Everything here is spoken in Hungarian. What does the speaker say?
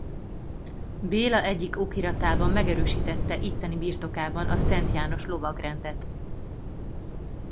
Béla egyik okiratában megerősítette itteni birtokában a Szent János lovagrendet.